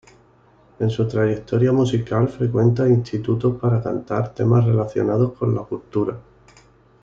En su trayectoria musical frecuenta institutos para cantar temas relacionados con la cultura.